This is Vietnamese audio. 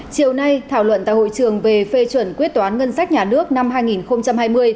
chiều nay thảo luận tại hội trường về phê chuẩn quyết toán ngân sách nhà nước năm hai nghìn hai mươi